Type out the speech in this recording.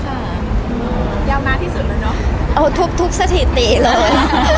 ยาวนานที่สุดแล้วเนอะเอาทุกทุกสถิติเลย